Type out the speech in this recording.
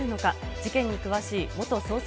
事件に詳しい元捜査